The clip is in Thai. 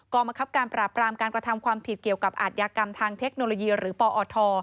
กรรมคับการปราบรามการกระทำความผิดเกี่ยวกับอาทยากรรมทางเทคโนโลยีหรือปอท